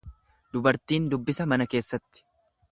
Dubartiin dubbisa mana keessatti.